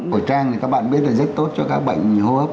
phổi trang các bạn biết là rất tốt cho các bệnh hô hấp